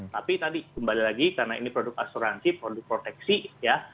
tapi tadi kembali lagi karena ini produk asuransi produk proteksi ya